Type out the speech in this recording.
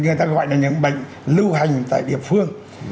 người ta gọi là những bệnh lưu hành tại địa phương